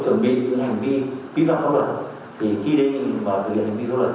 thì khi đi vào thực hiện hành vi pháp luật